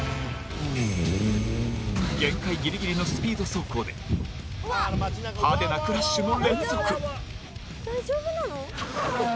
限界ギリギリのスピード走行で派手なクラッシュも連続。